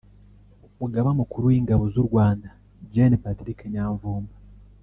Umugaba Mukuru w’Ingabo z’u Rwanda Gen Patrick Nyamvumba